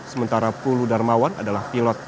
sementara puludarmawan adalah pilot